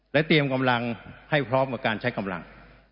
และเตรียมกำลังให้พร้อมกับการใช้กำลัง